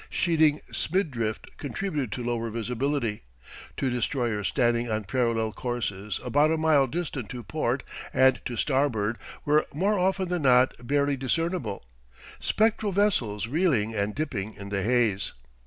Sheeting spindrift contributed to lower visibility: two destroyers standing on parallel courses about a mile distant to port and to starboard were more often than not barely discernible, spectral vessels reeling and dipping in the haze.